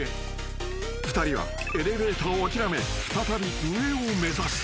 ［２人はエレベーターを諦め再び上を目指す］